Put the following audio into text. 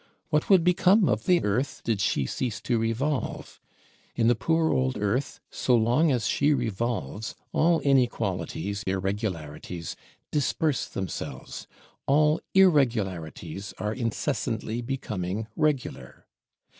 What would become of the Earth did she cease to revolve? In the poor old Earth, so long as she revolves, all inequalities, irregularities, disperse themselves; all irregularities are incessantly becoming regular.